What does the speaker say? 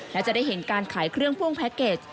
และจะได้เห็นการขายเครื่องพ่วงแพ็กเกจ